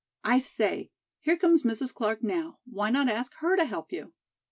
I say, here comes Mrs. Clark now, why not ask her to help you?"